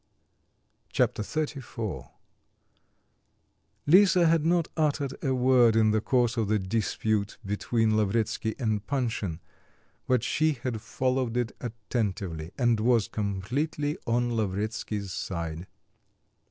Chapter XXXIV Lisa had not uttered a word in the course of the dispute between Lavretsky and Panshin, but she had followed it attentively and was completely on Lavretsky's side.